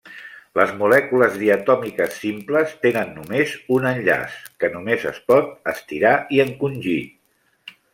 Les molècules diatòmiques simples tenen només un enllaç, que només es pot estirar i encongir.